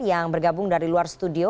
yang bergabung dari luar studio